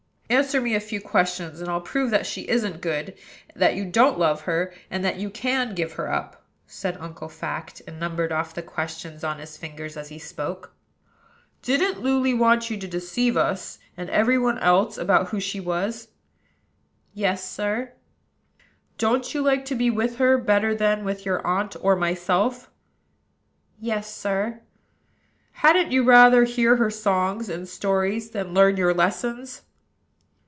"Answer me a few questions; and I'll prove that she isn't good, that you don't love her, and that you can give her up," said Uncle Fact, and numbered off the questions on his fingers as he spoke. "Didn't Luly want you to deceive us, and every one else, about who she was?" "Yes, sir." "Don't you like to be with her better than with your aunt or myself?" "Yes, sir." "Hadn't you rather hear her songs and stories than learn your lessons?"